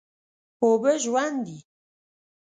اوبه ژوند دي.